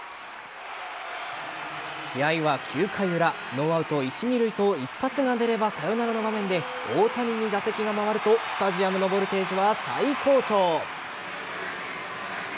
試合は９回裏ノーアウト一・二塁と一発が出ればサヨナラの場面で大谷に打席が回るとスタジアムのボルテージは最高潮。